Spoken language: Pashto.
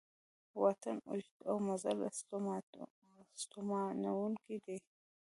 واټن اوږد او مزل ستومانوونکی دی